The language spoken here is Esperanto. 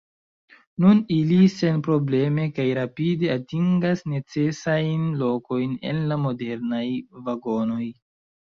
Nun ili senprobleme kaj rapide atingas necesajn lokojn en la modernaj vagonoj.